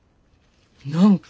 何か？